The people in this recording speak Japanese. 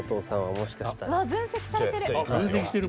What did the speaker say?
わあ分析されてる。